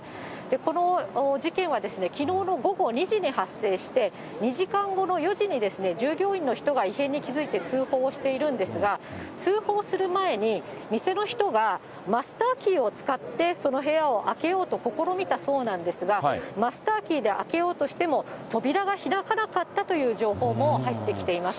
この事件はきのうの午後２時に発生して、２時間後の４時に従業員の人が異変に気付いて通報しているんですが、通報する前に、店の人がマスターキーを使って、その部屋を開けようと試みたそうなんですが、マスターキーで開けようとしても、扉が開かなかったという情報も入ってきています。